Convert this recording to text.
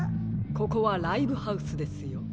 ここはライブハウスですよ。